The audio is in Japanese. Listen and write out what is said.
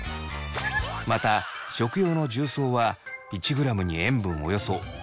また食用の重曹は１ｇに塩分およそ０．７ｇを含みます。